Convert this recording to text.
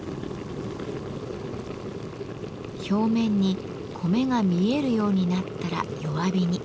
表面に米が見えるようになったら弱火に。